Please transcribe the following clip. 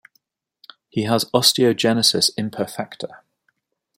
He has osteogenesis imperfecta.